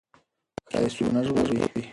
ښايي څوک دې ونه ژغوري.